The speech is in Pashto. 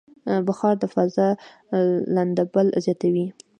بخار د فضا لندبل زیاتوي.